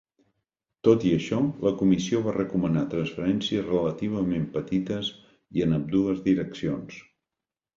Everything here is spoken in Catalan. Tot i això, la Comissió va recomanar transferències relativament petites i en ambdues direccions.